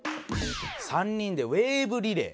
３人でウェーブリレー。